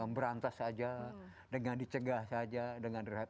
berantas saja dengan dicegah saja dengan rehat